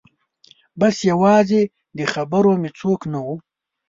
بس یوازې د خبرو مې څوک نه و